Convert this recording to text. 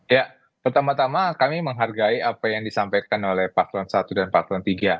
ya pertama tama kami menghargai apa yang disampaikan oleh pak tuan i dan pak tuan iii